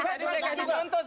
tadi saya kasih contoh